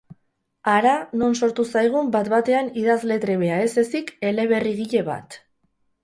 Hara non sortu zaigun bat-batean idazle trebea ez ezik eleberrigile bat.